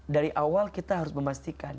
dari awal kita harus memastikan